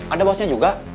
ada bosnya juga